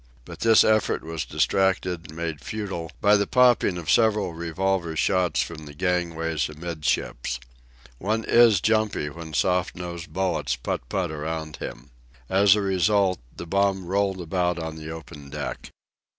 But this effort was distracted and made futile by a popping of several revolver shots from the gangways amidships. One is jumpy when soft nosed bullets putt putt around him. As a result, the bomb rolled about on the open deck.